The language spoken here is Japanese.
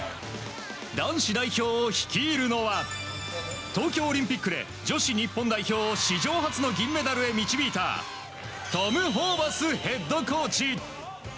男子代表を率いるのは東京オリンピックで女子日本代表を史上初の銀メダルへ導いたトム・ホーバスヘッドコーチ。